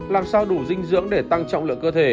làm sao đủ dinh dưỡng để tăng trọng lượng cơ thể